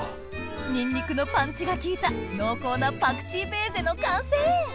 ニンニクのパンチが効いた濃厚なパクチーベーゼの完成